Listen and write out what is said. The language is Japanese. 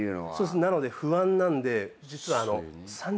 なので不安なんで実は。